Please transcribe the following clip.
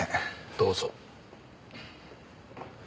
どうぞ。